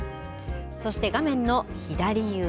そして、画面の左上。